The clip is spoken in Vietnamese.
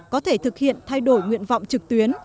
có thể thực hiện thay đổi nguyện vọng trực tuyến